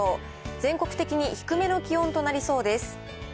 全国的に低めの気温となりそうです。